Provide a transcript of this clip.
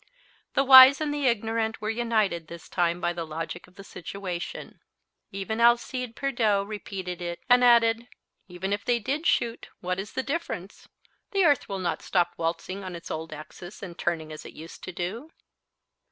The wise and the ignorant were united this time by the logic of the situation. Even Alcide Pierdeux repeated it, and added: "Even if they did shoot, what is the difference? The earth will not stop waltzing on its old axis and turning as it used to do."